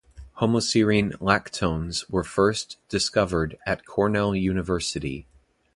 Homoserine lactones were first discovered at Cornell University.